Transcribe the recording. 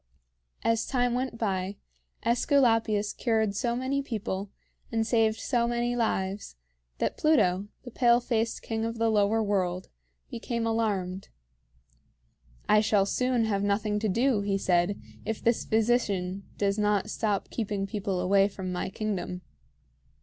As time went by, AEsculapius cured so many people and saved so many lives that Pluto, the pale faced king of the Lower World, became alarmed. "I shall soon have nothing to do," he said, "if this physician does not stop keeping people away from my kingdom."